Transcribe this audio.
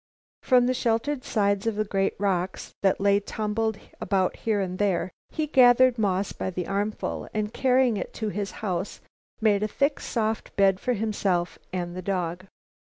From the sheltered sides of the great rocks that lay tumbled about here and there, he gathered moss by the armful and carrying it to his house, made a thick soft bed for himself and the dog.